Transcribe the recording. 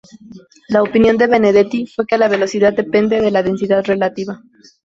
La opinión de Benedetti fue que la velocidad depende de la densidad relativa.